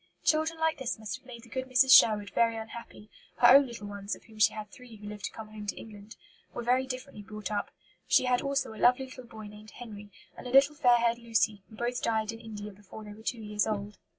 Children like this must have made the good Mrs. Sherwood very unhappy; her own little ones of whom she had three who lived to come home to England were very differently brought up. She had also a lovely little boy named Henry, and a little fair haired Lucy, who both died in India before they were two years old.